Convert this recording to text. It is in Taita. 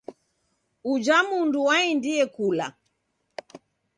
Uja mndu waendie kula.